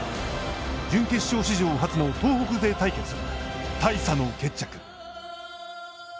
準決勝史上初の東北勢対決は大差の決着。